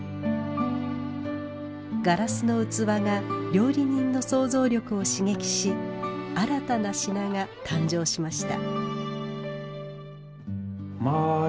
ガラスの器が料理人の想像力を刺激し新たな品が誕生しました。